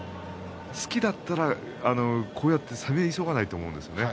好きだったらこうやって攻め急がないと思うんですよね。